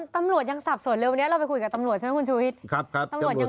ตำรวจยังสับสนเลยวันนี้เราไปคุยกับตำรวจใช่ไหมคุณชูวิทย์